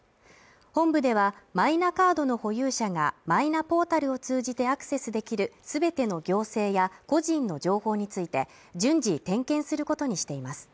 本部では、マイナカードの保有者がマイナポータルを通じてアクセスできる全ての行政や個人の情報について、順次点検することにしています。